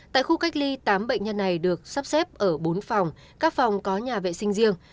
tại khu cách ly tám bệnh nhân này được sắp xếp ở bốn phòng các phòng có nhà vệ sinh riêng